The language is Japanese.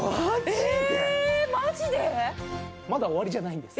まだ終わりじゃないんです。